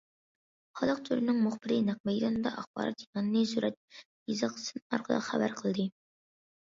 خەلق تورىنىڭ مۇخبىرى نەق مەيداندا ئاخبارات يىغىنىنى سۈرەت، يېزىق، سىن ئارقىلىق خەۋەر قىلدى.